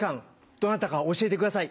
どなたか教えてください。